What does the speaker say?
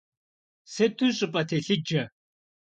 Сыту щӀыпӀэ телъыджэ!